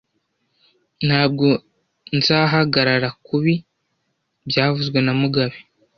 Ntabwo nzahagarara kubi byavuzwe na mugabe